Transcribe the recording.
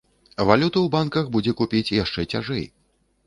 Валюту ў банках будзе купіць яшчэ цяжэй.